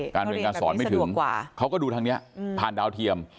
เรียนการสอนไม่ถึงเขาก็ดูทางนี้ผ่านดาวเทียม